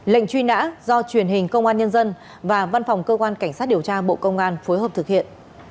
lệnh truy nã do truyền hình công an nhân dân và văn phòng cơ quan cảnh sát điều tra bộ công an phối hợp thực hiện